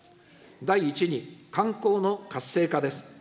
第１に、観光の活性化です。